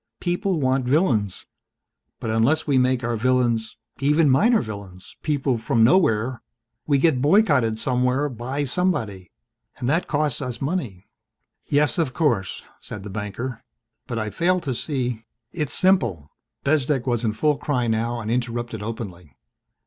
People want villains. But unless we make our villains even minor villains people from nowhere we get boycotted somewhere by somebody. And that costs us money." "Yes, of course," said the banker, "but I fail to see " "It's simple." Bezdek was in full cry now and interrupted openly.